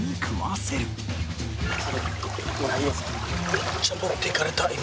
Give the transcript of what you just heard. めっちゃ持っていかれた今。